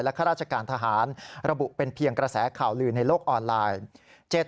ข้าราชการทหารระบุเป็นเพียงกระแสข่าวลือในโลกออนไลน์